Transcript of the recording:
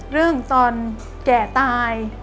เรื่องตอนแก่ตาย